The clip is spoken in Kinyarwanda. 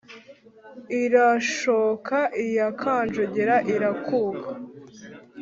irashooka iya kánjogera irakuka